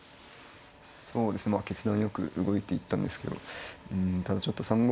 そうですね決断よく動いていったんですけどただちょっと３五